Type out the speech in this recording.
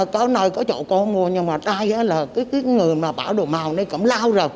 có nơi có chỗ có mua nhưng mà trai là cái người mà bảo đồ màu nó cũng lao rồi